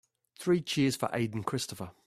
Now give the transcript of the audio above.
Three cheers for Aden Christopher.